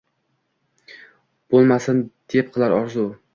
Bo’lmasin, deb qilar orzu